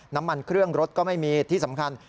น้ำมันเครื่องรถก็ไม่มีที่สำคัญ